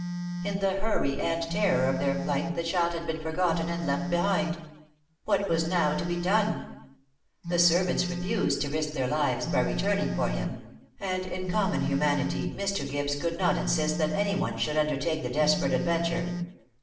In the hurry and terror of their flight the child had been forgotten and left behind! What was now to be done? The servants refused to risk their lives by returning for him; and in common humanity, Mr. Gibbes could not insist that any one should undertake the desperate adventure.